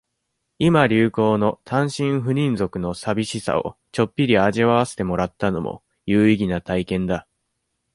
今流行の、単身赴任族の淋しさを、ちょっぴり味わわせてもらったのも、有意義な体験だ。